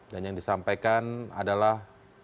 dan yang disampaikan adalah